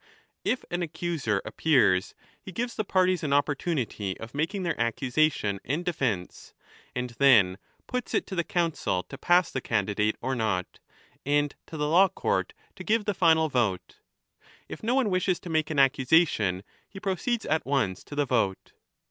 " If an accuser appears, he gives the parties an opportunity of making their accusation and defence, and then puts it to the Council to pass the candidate or not, and to the law court to give the final vote. If no one wishes to make an accusation, he proceeds at once to the vote.